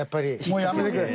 もうやめてくれ。